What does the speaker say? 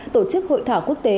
tổ chức hội thảo quốc tế